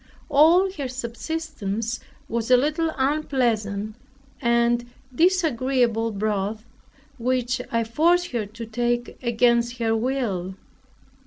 All her subsistence was a little unpleasant and disagreeable broth, which I forced her to take against her will.